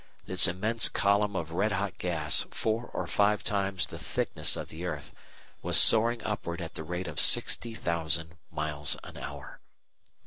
This immense column of red hot gas, four or five times the thickness of the earth, was soaring upward at the rate of 60,000 miles an hour.